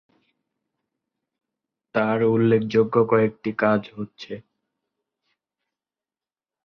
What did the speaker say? তার উল্লেখযোগ্য কয়েকটি কাজ হচ্ছে,